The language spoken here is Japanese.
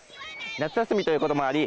夏休みということもあり